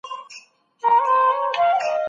فلان بن هبيرة ته ما پناه ورکړې ده.